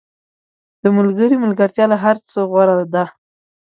• د ملګري ملګرتیا له هر څه غوره ده.